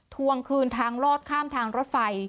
ทวงคืนทางลอดข้ามทางรถไฟ